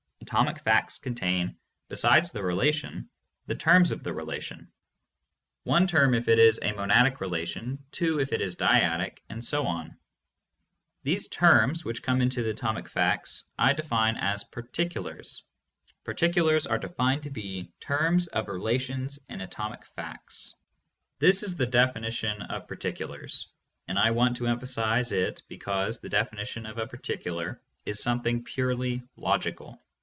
Atomic facts contain, besides the relation, the terms of the relation — one term if it is a monadic relation, two if it is dyadic, and so on. These "terms" which come into atomic facts I define as "par ticulars." Particulars = terms of relations in atomic facts. Definition. That is the definition of particulars, and I want to em phasize it because the definition of a particular is some thing purely logical.